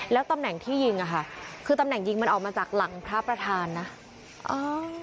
แล้วตำแหน่งที่ยิงอ่ะค่ะคือตำแหน่งยิงมันออกมาจากหลังพระประธานนะอ่า